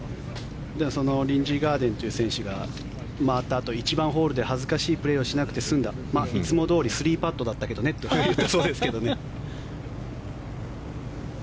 そのリンジー・ガーデンという選手が回って１番ホールで恥ずかしいプレーをしなくて済んだいつもどおり３パットだったけどねと言ったそうですけどね。